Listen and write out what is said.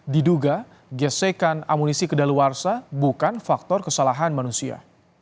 diduga gesekan amunisi kedaluarsa bukan faktor kesalahan manusia